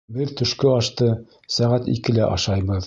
Беҙ төшкө ашты сәғәт икелә ашайбыҙ.